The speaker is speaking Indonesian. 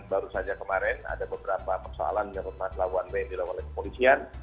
lalu saja kemarin ada beberapa persoalan yang pernah dilakukan oleh polisian